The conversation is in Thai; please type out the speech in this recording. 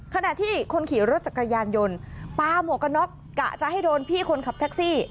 ขณะที่คนขี่รถจักรยานยนต์ปลาหมวกกันน็อกกะจะให้โดนพี่คนขับแท็กซี่